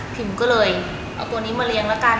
ก็เลยเอาตัวนี้มาเลี้ยงแล้วกัน